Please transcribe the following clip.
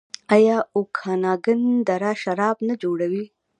آیا اوکاناګن دره شراب نه جوړوي؟